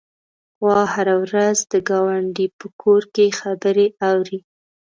غوا هره ورځ د ګاونډي په کور کې خبرې اوري.